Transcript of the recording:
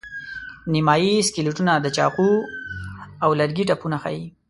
نیمایي سکلیټونه د چاقو او لرګي ټپونه ښيي.